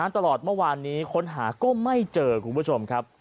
ตลอดเมื่อวานนี้ค้นหาก็ไม่เจอคุณผู้ชมครับ